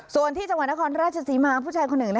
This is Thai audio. ส่วนที่จังหวัดนครราชศรีมาผู้ชายคนหนึ่ง